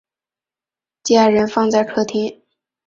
家人放在客厅